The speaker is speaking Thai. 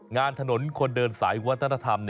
งานถนนคนเดินสายวัฒนธรรม